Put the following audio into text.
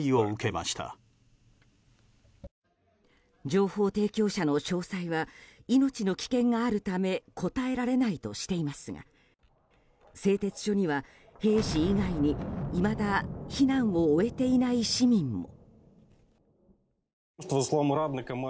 情報提供者の詳細は命の危険があるため答えられないとしていますが製鉄所には兵士以外にいまだ避難を終えていない市民も。